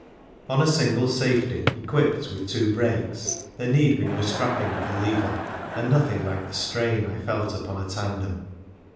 On a single safety, equipped with two brakes, there need be no strapping of the lever, and no thing like the strain I felt upon a tandem.